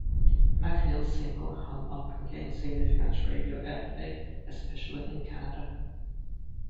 McNeil's single "Hung Up" gained significant radio airplay, especially in Canada.